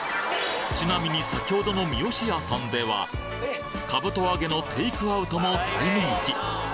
ちなみに先ほどのみよしやさんではかぶと揚げのテイクアウトも大人気！